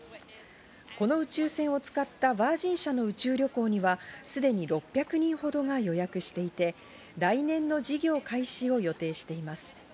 この宇宙船を使ったヴァージン社の宇宙旅行にはすでに６００人ほどが予約していて来年の事業開始を予定しています。